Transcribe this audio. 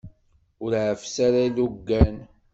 Ur ɛeffes ara ilugan.